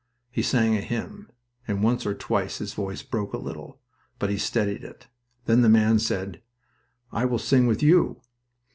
He sang a hymn, and once or twice his voice broke a little, but he steadied it. Then the man said, "I will sing with you."